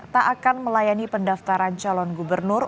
tak akan melayani pendaftaran calon gubernur